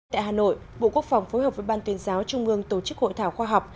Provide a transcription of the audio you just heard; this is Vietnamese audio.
tại hà nội bộ quốc phòng phối hợp với ban tuyên giáo trung ương tổ chức hội thảo khoa học